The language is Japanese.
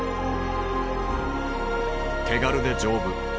手軽で丈夫。